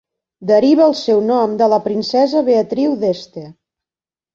Deriva el seu nom de la princesa Beatriu d'Este.